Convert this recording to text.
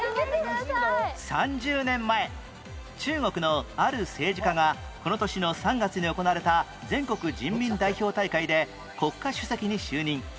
３０年前中国のある政治家がこの年の３月に行われた全国人民代表大会で国家主席に就任